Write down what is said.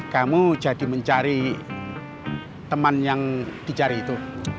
kamu jadi mencari teman yang dicari itu